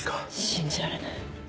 信じられない。